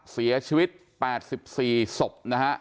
เสียชีวิต๘๔สม